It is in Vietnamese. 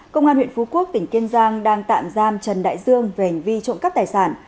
công an huyện phú quốc tỉnh kiên giang đang tạm giam trần đại dương về hành vi trộm cắp tài sản